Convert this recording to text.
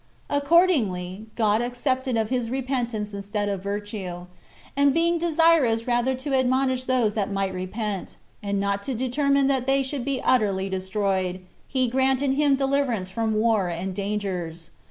Accordingly God accepted of his repentance instead of virtue; and being desirous rather to admonish those that might repent, and not to determine that they should be utterly destroyed, he granted him deliverance from war and dangers.